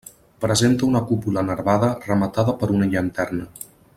Presenta una cúpula nervada rematada per una llanterna.